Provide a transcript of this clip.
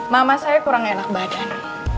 mama saya kurang enak badan